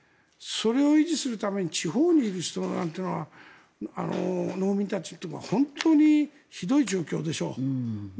それを維持するために地方にいる人農民たちというか本当にひどい状況でしょう。